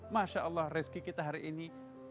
masya allah rezeki kita hari ini